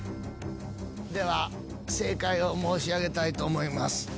では正解を申し上げたいと思います。